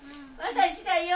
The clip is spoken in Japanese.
私だよ。